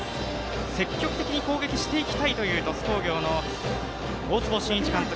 積極的に攻撃していきたいという鳥栖工業の大坪慎一監督。